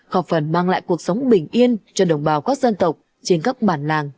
khỏe phần mang lại cuộc sống bình yên cho đồng bào quốc dân tộc trên các bản làng